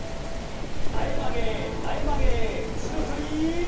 前曲げ前曲げ後ろ反り。